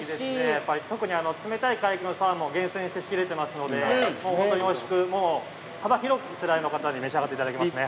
やっぱり特に冷たい海域のサーモン厳選して仕入れてますのでもうホントにおいしくもう幅広い世代の方に召し上がっていただけますね。